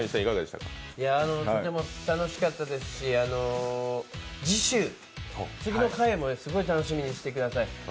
とても楽しかったですし、次週、次の回もすごい楽しみにしてください。